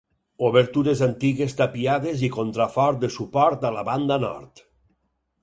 Obertures antigues tapiades i contrafort de suport a la banda nord.